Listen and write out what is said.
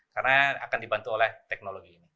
karena akan dibantu oleh teknologi